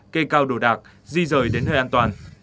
cây cao đổ đạc di rời đến nơi an toàn